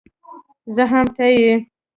زه هم ته يې